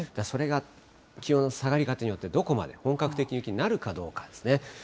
それが気温の下がり方によって、どこまで本格的な雪になるかどうかですね。